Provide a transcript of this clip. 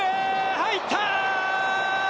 入った！